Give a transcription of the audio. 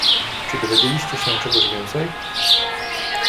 "Czy dowiedzieliście się czegoś więcej?"